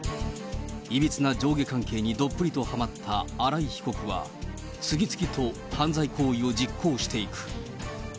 いびつな上下関係にどっぷりとはまった新井被告は、次々と犯罪行為を実行していく。